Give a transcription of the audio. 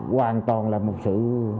hoàn toàn là một sự